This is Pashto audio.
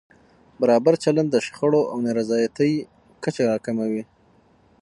برابر چلند د شخړو او نارضایتۍ کچه راکموي.